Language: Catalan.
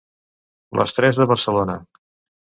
Les tres de Barcelona.